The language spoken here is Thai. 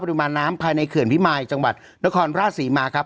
ปริมาณน้ำภายในเขื่อนพิมายจังหวัดนครราชศรีมาครับ